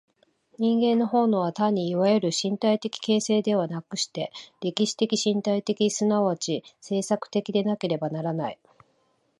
人間の本能は単にいわゆる身体的形成ではなくして、歴史的身体的即ち制作的でなければならない。